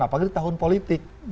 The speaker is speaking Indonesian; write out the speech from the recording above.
apalagi tahun politik